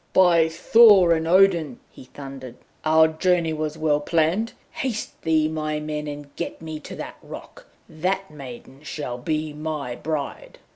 'By Thor and Odin,' he thundered, 'our journey was well planned. Haste thee, my men, and get me to that rock! That maiden shall be my bride.'